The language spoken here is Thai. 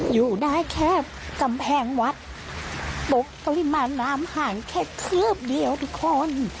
อยู่ได้แค่กำแพงวัดบอกปริมาณน้ำห่างแค่คืบเดียวทุกคน